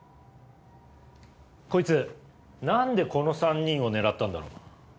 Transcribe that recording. こいつ何でこの３人を狙ったんだろう？